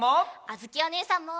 あづきおねえさんも！